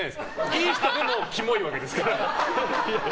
いい人でもキモいわけですから。